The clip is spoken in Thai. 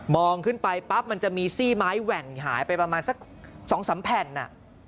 องขึ้นไปปั๊บมันจะมีซี่ไม้แหว่งหายไปประมาณสัก๒๓แผ่น